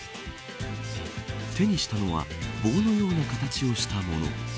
手にしたのは棒のような形をした物。